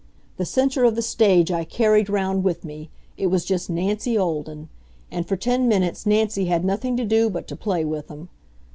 The center of the stage I carried round with me it was just Nancy Olden. And for ten minutes Nancy had nothing to do but to play with 'em.